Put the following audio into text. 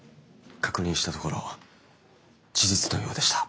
確認したところ事実のようでした。